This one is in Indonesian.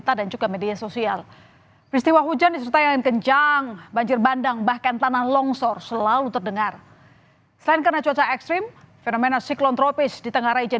allah akbar allah akbar